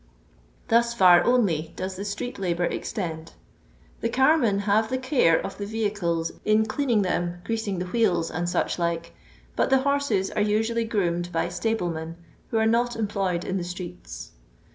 Thus &r only does the streat IaboV extend. The carmen have the care of the vehicles in cleaning them, greasing the wheels, and such like, but the horses are usually groomed by stablemen, who are not employed in the streets.